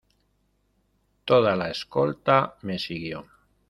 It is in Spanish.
toda la escolta me siguió.